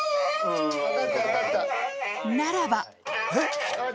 ならば。